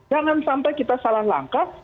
jangan sampai kita salah langkah